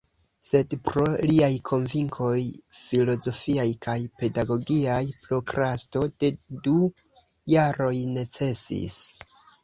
Sed pro liaj konvinkoj filozofiaj kaj pedagogiaj prokrasto de du jaroj necesis.